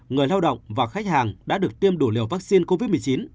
người lao động và khách hàng đã được tiêm đủ liều vaccine covid một mươi chín